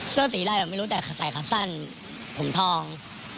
เสื้อสีอะไรแบบไม่รู้แต่ใส่ขาสั้นผมทอง